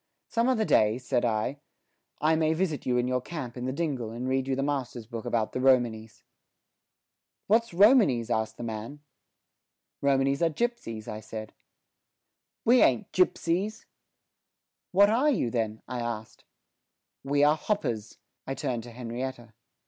"Some other day," said I, "I may visit you in your camp in the dingle and read you the master's book about the Romanys." "What's Romanys?" asked the man. Myself. Romanys are gipsies. The Man. We ain't gipsies. Myself. What are you then? The Man. We are hoppers. Myself (to Henrietta).